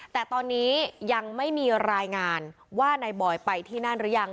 แต่ตอนนี้ยังไม่มีรายงานว่านายบอยไปที่นั่นหรือยัง